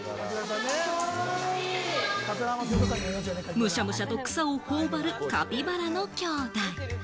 むしゃむしゃと草をほおばるカピバラの兄弟。